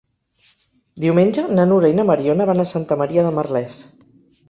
Diumenge na Nura i na Mariona van a Santa Maria de Merlès.